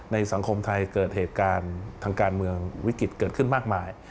สังคมไทยเกิดเหตุการณ์ทางการเมืองวิกฤตเกิดขึ้นมากมาย